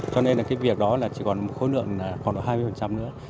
cho nên cái việc đó chỉ còn một khối lượng là khoảng hai mươi nữa